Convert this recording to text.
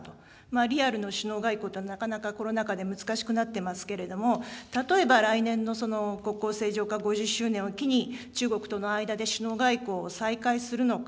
リアルの首脳外交というのは、なかなかコロナ禍で難しくなっていますけれども、例えば、来年の国交正常化５０周年を機に、中国との間で首脳外交を再開するのか。